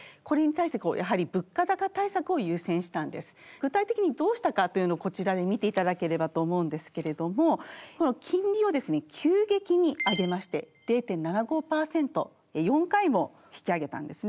具体的にどうしたかというのをこちらで見ていただければと思うんですけれどもこの金利をですね急激に上げまして０．７５％４回も引き上げたんですね。